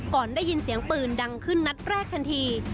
ก่อนได้ยินเสียงปืนดังขึ้นนัดแรกทันที